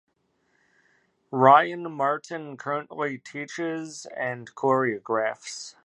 Ryan Martin currently teaches and choreographs.